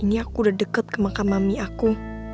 ini aku udah di makam mami aku